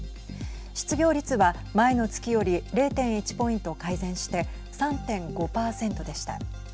失業率は、前の月より０．１ポイント改善して３．５％でした。